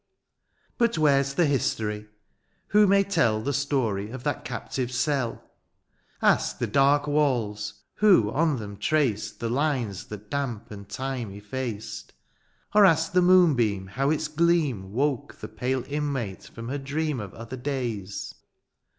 But whereas the history ?— ^who may teU The story of that captive^s cell ? Ask the dark waUs^ who on them traced The lines that damp and time effaced ? Or ask the moonbeam how its gleam Woke the pale inmate from her dream Of other days